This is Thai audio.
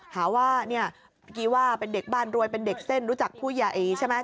หาว่าเนี่ยเมื่อกี้ว่าเป็นเด็กบ้านรวยเป็นเด็กเส้นรู้จักผู้ใหญ่ใช่ไหม